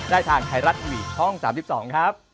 ได้ทางไทรัตน์อีวียช่อง๓๒ครับ